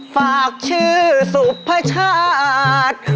ฝากชื่อสุพชาติ